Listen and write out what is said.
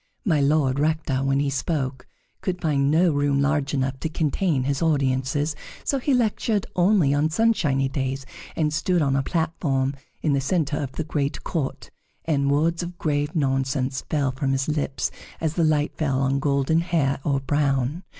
My Lord Rector, when he spoke, could find no room large enough to contain his audiences, so he lectured only on sunshiny days, and stood on a platform in the centre of the great court; and words of grave nonsense fell from his lips as the light fell on golden hair or brown.